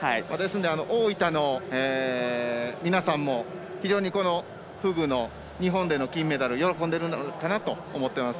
大分の皆さんも非常にフグの日本での金メダルを喜んでるかなと思ってます。